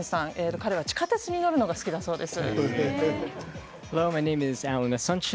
彼は地下鉄に乗るのが好きだそうです。